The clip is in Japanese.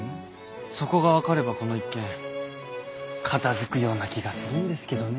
そこが分かればこの一件片づくような気がするんですけどね。